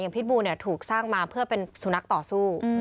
พิษบูถูกสร้างมาเพื่อเป็นสุนัขต่อสู้